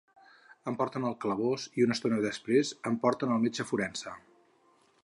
Em porten al calabós i una estona després em porten al metge forense.